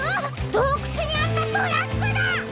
どうくつにあったトラックだ！